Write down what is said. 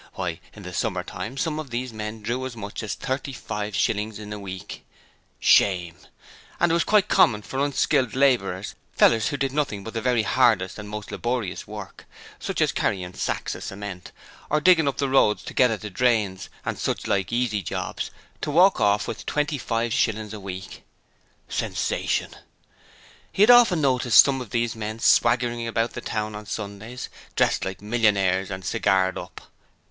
Why, in the summer time some of these men drew as much as 35/ in a single week! (Shame.) and it was quite common for unskilled labourers fellers who did nothing but the very hardest and most laborious work, sich as carrying sacks of cement, or digging up the roads to get at the drains, and sich like easy jobs to walk off with 25/ a week! (Sensation.) He had often noticed some of these men swaggering about the town on Sundays, dressed like millionaires and cigared up!